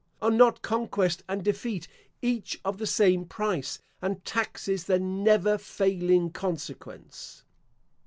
Are not conquest and defeat each of the same price, and taxes the never failing consequence?